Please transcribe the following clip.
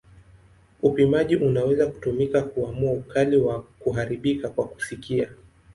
Upimaji unaweza kutumika kuamua ukali wa kuharibika kwa kusikia.